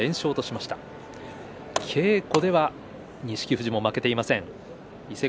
稽古では錦富士も負けていません。